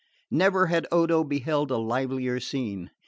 Never had Odo beheld a livelier scene.